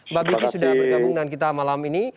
mbak biky sudah bergabung dan kita malam ini